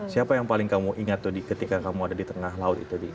siapa yang paling kamu ingat tuh ketika kamu ada di tengah laut itu